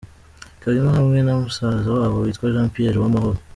Kalima hamwe na musaza wabo witwa Jean Pierre Uwamahoro.